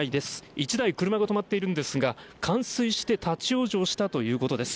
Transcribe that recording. １台、車が止まっているんですが冠水して立ち往生したということです。